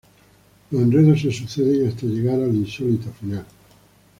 Los enredos se suceden hasta llegar al insólito final.